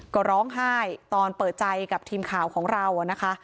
ก็ร้องไห้ตอนเปิดใจกับทีมข่าวของเรานะคะ